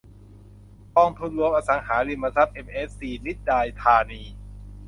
กองทุนรวมอสังหาริมทรัพย์เอ็มเอฟซี-นิชดาธานี